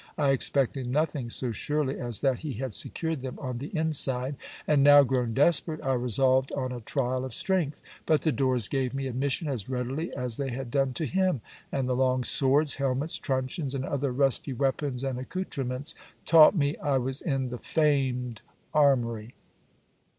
I expected nothing so surely as that he had secured them on the inside; and, now grown desperate, I resolved on a trial of strength. But the doors gave me admission as readily as they had done to him: and the long swords, helmets, truncheons, and other rusty weapons, and accoutrements, taught me I was in the famed armoury.